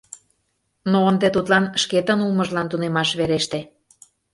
Но ынде тудлан шкетын улмыжлан тунемаш вереште.